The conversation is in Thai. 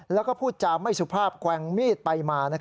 แล้วก็พูดจาไม่สุภาพแกว่งมีดไปมา